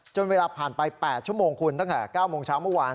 เวลาผ่านไป๘ชั่วโมงคุณตั้งแต่๙โมงเช้าเมื่อวาน